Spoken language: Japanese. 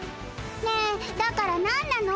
ねえだからなんなの？